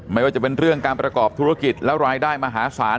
ไม่ว่าจะเป็นเรื่องการประกอบธุรกิจและรายได้มหาศาล